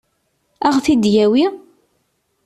Ad ɣ-t-id-yawi?